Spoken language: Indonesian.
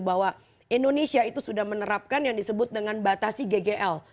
bahwa indonesia itu sudah menerapkan yang disebut dengan batasi ggl